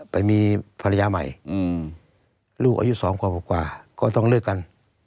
ไปมีภรรยาใหม่ลูกอายุ๒ขวบกว่าก็ต้องเลิกกัน